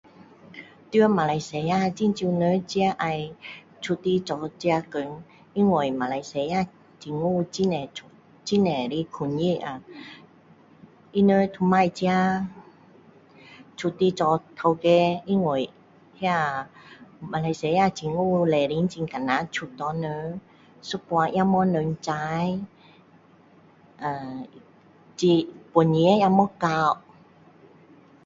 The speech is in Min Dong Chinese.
在马来西亚很少人要自己出来做自己的工因为马来西亚政府很多的控制啊他们都不要自己出来做头家因为马来西亚政府礼申很难准人一半也没有人才呃金本钱也不够